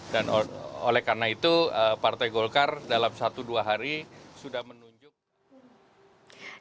dan oleh karena itu partai golkar dalam satu dua hari sudah menunjukkan